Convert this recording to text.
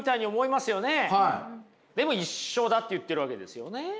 でも「一緒だ」って言ってるわけですよね。